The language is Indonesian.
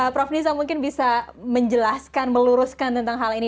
prof nizam mungkin bisa menjelaskan meluruskan tentang hal ini